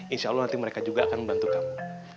insya allah nanti mereka juga akan membantu kamu